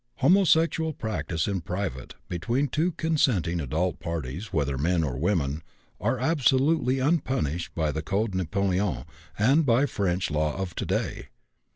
Homosexual practices in private, between two consenting adult parties, whether men or women, are absolutely unpunished by the Code Napoléon and by French law of today.